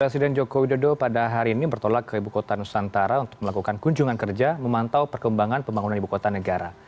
presiden joko widodo pada hari ini bertolak ke ibu kota nusantara untuk melakukan kunjungan kerja memantau perkembangan pembangunan ibu kota negara